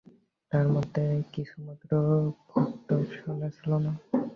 তাহার মধ্যে কিছুমাত্র ভর্ৎসনা ছিল না।